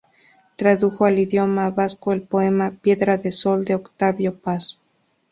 Tradujo al idioma vasco el poema "Piedra de Sol" de Octavio Paz.